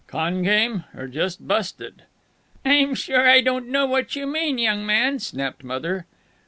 Con game or just busted?" "I'm sure I don't know what you mean, young man," snapped Mother.